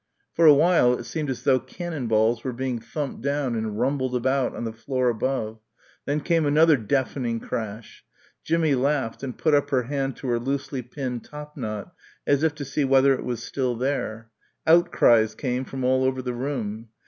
For a while it seemed as though cannon balls were being thumped down and rumbled about on the floor above; then came another deafening crash. Jimmie laughed and put up her hand to her loosely pinned top knot as if to see whether it was still there. Outcries came from all over the room.